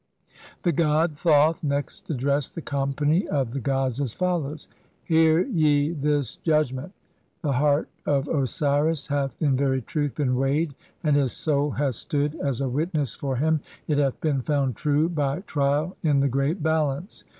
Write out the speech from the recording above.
The god Thoth next addressed the company of the gods as follows :— "Hear ye this judgment. The heart "of Osiris hath in very truth been weighed, and his "soul hath stood as a witness for him ; it hath been "found true by trial in the Great Balance.